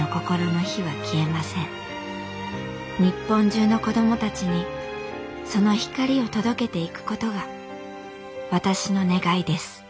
日本中の子どもたちにその光を届けていく事が私の願いです。